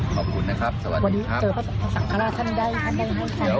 ขอบคุณนะครับสวัสดีครับวันนี้เจอพระสังฆราชันได้